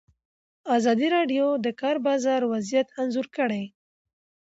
ازادي راډیو د د کار بازار وضعیت انځور کړی.